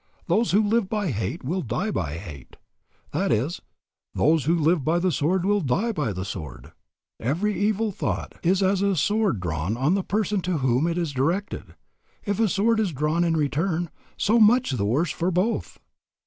Those who live by hate will die by hate: that is, 'those who live by the sword will die by the sword.' Every evil thought is as a sword drawn on the person to whom it is directed. If a sword is drawn in return, so much the worse for both."